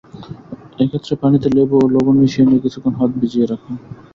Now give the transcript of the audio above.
এ ক্ষেত্রে পানিতে লেবু ও লবণ মিশিয়ে নিয়ে কিছুক্ষণ হাত ভিজিয়ে রাখুন।